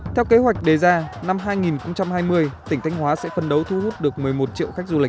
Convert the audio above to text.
theo kế hoạch đề ra năm hai nghìn hai mươi tỉnh thanh hóa sẽ phân đấu thu hút được một mươi một triệu khách du lịch